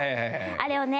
あれをね